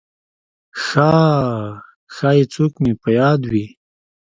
«ها… ښایي څوک مې په یاد وي!»